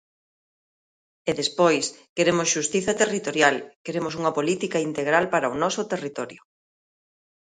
E, despois, queremos xustiza territorial, queremos unha política integral para o noso territorio.